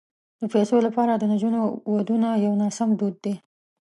د پيسو لپاره د نجونو ودونه یو ناسم دود دی.